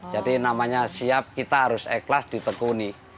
jadi namanya siap kita harus ikhlas ditekuni